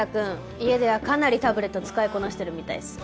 家ではかなりタブレット使いこなしてるみたいっす。